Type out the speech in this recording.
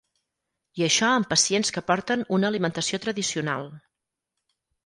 I això amb pacients que porten una alimentació tradicional.